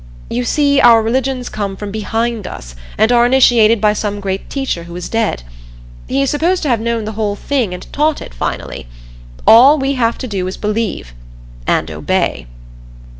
You see, our religions come from behind us, and are initiated by some great teacher who is dead. He is supposed to have known the whole thing and taught it, finally. All we have to do is believe and obey."